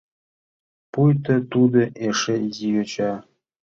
Пуйто тудо эше изи йоча.